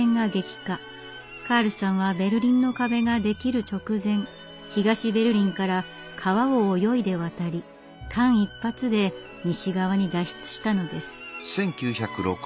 カールさんは「ベルリンの壁」ができる直前東ベルリンから川を泳いで渡り間一髪で西側に脱出したのです。